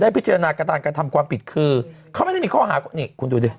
พิจารณาการกระทำความผิดคือเขาไม่ได้มีข้อหานี่คุณดูดิ